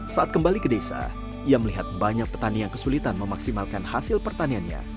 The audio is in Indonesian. saat kembali ke desa ia melihat banyak petani yang kesulitan memaksimalkan hasil pertaniannya